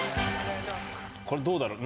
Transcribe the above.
これ、どうだろう。